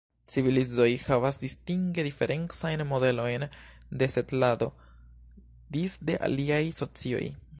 Civilizoj havas distinge diferencajn modelojn de setlado disde aliaj socioj.